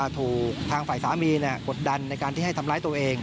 ถูกทางฝ่ายสามีกดดันในการที่ให้ทำร้ายตัวเอง